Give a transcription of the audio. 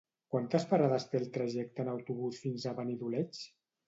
Quantes parades té el trajecte en autobús fins a Benidoleig?